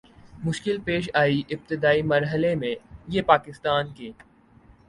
مشکل پیش آئی ابتدائی مر حلے میں یہ پاکستان کے